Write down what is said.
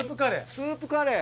スープカレー！